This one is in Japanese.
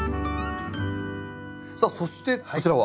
さあそしてこちらは？